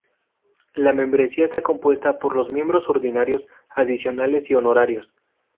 La membresía está compuesta por los miembros ordinarios, adicionales y honorarios.